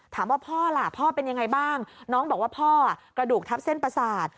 ถามว่าพ่อล่ะพ่อเป็นยังไงบ้างน้องบอกว่าพ่อกระดูกทับเส้นประสาท